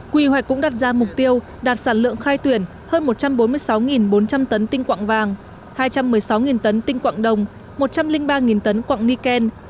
quy hoạch cũng đặt ra mục tiêu đạt sản lượng khai tuyển hơn một trăm bốn mươi sáu bốn trăm linh tấn tinh quạng vàng hai trăm một mươi sáu tấn tinh quạng đồng một trăm linh ba tấn quạng niken